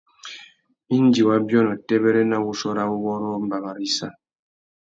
Indi wa biônô têbêrê na wuchiô râ uwôrrô mbama râ issa.